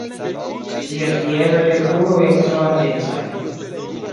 Ties piedoj kaj kruroj estas oranĝecaj.